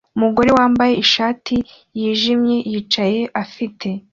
Umugore wambaye ishati yijimye yicaye afite